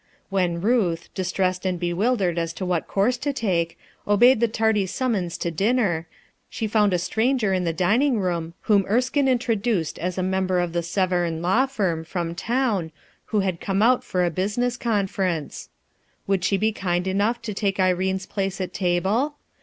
When Ruth, distressed and bewildered as to what course to take, obeyed the tardy summons to dinner, she found a stranger in the dining room whom Erskine introduced as a member of the Severn law firm, from town, who had come out for a business conference. Would she be kind enough to take Irene's place at table